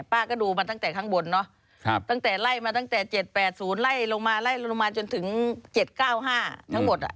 ป้าก็ดูมาตั้งแต่ข้างบนเนอะตั้งแต่ไล่มาตั้งแต่๗๘๐ไล่ลงมาไล่ลงมาจนถึง๗๙๕ทั้งหมด